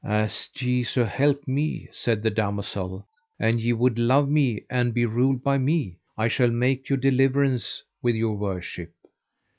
As Jesu help me, said the damosel, an ye would love me and be ruled by me, I shall make your deliverance with your worship.